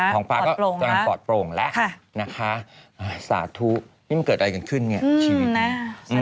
ท้องฟ้าก็ปลอดโปร่งแล้วสาธุนี่มันเกิดอะไรกันขึ้นชีวิตนี้